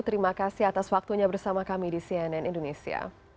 terima kasih atas waktunya bersama kami di cnn indonesia